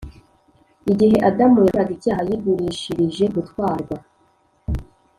Igihe Adamu yakoraga icyaha yigurishirije gutwarwa